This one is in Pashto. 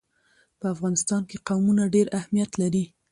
په افغانستان کې قومونه ډېر اهمیت لري.